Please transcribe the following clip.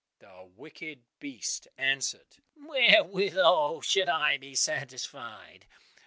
The wicked beast answered, "Wherewithal should I be satisfied?